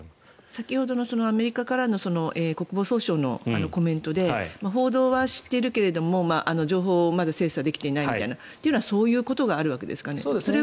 先ほどのアメリカの国防総省からのコメントで報道はしているけども情報はまだ精査できていないみたいなのはそういうことなんですかね。